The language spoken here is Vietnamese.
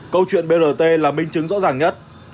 câu chuyện brt là minh chứng rõ ràng nhất